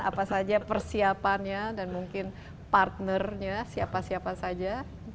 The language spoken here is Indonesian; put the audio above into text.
apa saja persiapannya dan mungkin partnernya siapa siapa saja